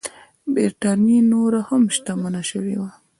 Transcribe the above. برېټانیا نوره هم شتمنه شوې وه.